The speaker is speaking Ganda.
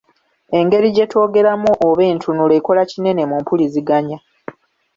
Engeri gye twogeramu oba entunula ekola kinene mumpuliziganya.